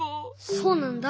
そうなんだ。